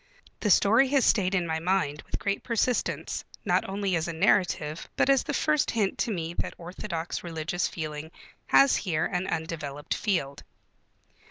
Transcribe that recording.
The story has stayed in my mind with great persistence, not only as a narrative, but as the first hint to me that orthodox religious feeling has here an undeveloped field.